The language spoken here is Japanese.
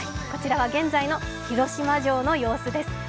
こちらは現在の広島城の様子です。